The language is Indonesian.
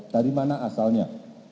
dari mana asalnya